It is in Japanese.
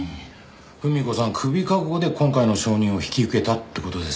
文子さんはクビ覚悟で今回の証人を引き受けたって事ですか？